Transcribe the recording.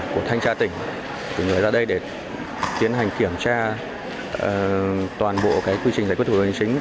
của thanh tra tỉnh của người ra đây để tiến hành kiểm tra toàn bộ quy trình giải quyết thủ tục hành chính